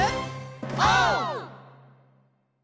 オー！